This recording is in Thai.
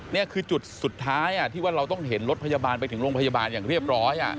นี่คือจุดสุดท้ายที่ว่าเราต้องเห็นรถพยาบาลไปถึงโรงพยาบาลอย่างเรียบร้อย